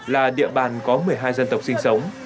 là địa bàn có một mươi hai dân tộc sinh sống